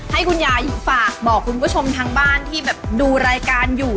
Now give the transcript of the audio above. ให้คุณยายฝากบอกคุณผู้ชมทางบ้านที่แบบดูรายการอยู่